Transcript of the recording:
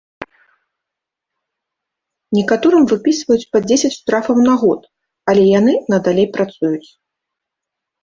Некаторым выпісваюць па дзесяць штрафаў на год, але яны надалей працуюць.